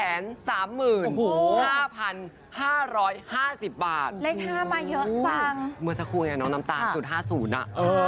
เลข๕มาเยอะจังเหมือนสักครู่เนี่ยน้องน้ำตาล๐๕๐อะ